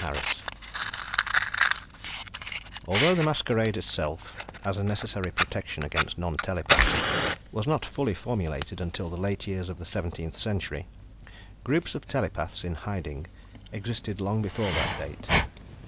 Harris _Although the Masquerade itself, as a necessary protection against non telepaths, was not fully formulated until the late years of the Seventeenth Century, groups of telepaths in hiding existed long before that date.